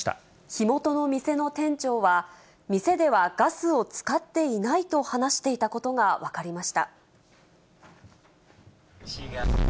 火元の店の店長は、店ではガスを使っていないと話していたことが分かりました。